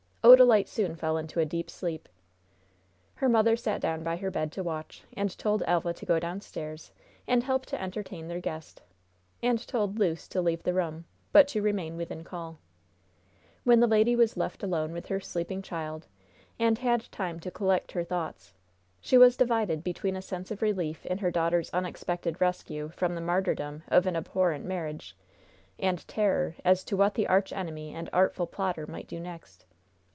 Odalite soon fell into a deep sleep. Her mother sat down by her bed to watch, and told Elva to go downstairs and help to entertain their guest; and told Luce to leave the room, but to remain within call. When the lady was left alone with her sleeping child, and had time to collect her thoughts, she was divided between a sense of relief in her daughter's unexpected rescue from the martyrdom of an abhorrent marriage, and terror as to what the archenemy and artful plotter might do next.